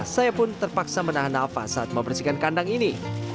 saya pun terpaksa menahan nafas saat membersihkan kandang ini